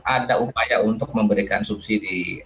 ada upaya untuk memberikan subsidi